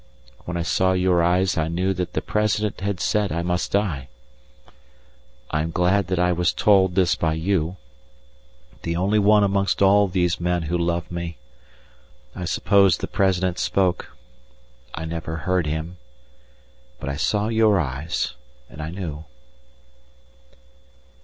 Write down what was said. When I saw your eyes I knew that the President had said I must die. I am glad that I was told this by you, the only one amongst all these men who loved me. I suppose the President spoke; I never heard him, but I saw your eyes and I knew.